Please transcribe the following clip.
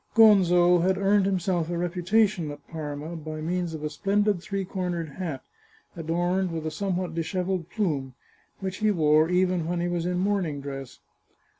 Gonzo had earned himself a reputation at Parma by means of a splendid three cornered hat, adorned with a somewhat dishevelled plume, which he wore even when he was in morning dress.